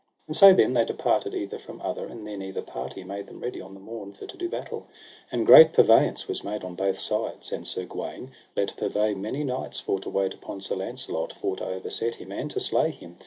And so then they departed either from other; and then either party made them ready on the morn for to do battle, and great purveyance was made on both sides; and Sir Gawaine let purvey many knights for to wait upon Sir Launcelot, for to overset him and to slay him.